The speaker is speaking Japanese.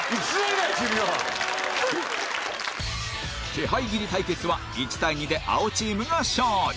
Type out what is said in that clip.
気配斬り対決は１対２で青チームが勝利！